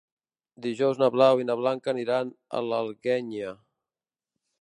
Dijous na Blau i na Blanca aniran a l'Alguenya.